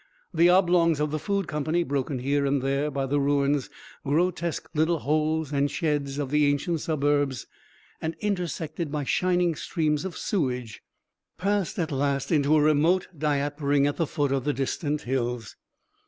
The oblongs of the Food Company, broken here and there by the ruins grotesque little holes and sheds of the ancient suburbs, and intersected by shining streams of sewage, passed at last into a remote diapering at the foot of the distant hills.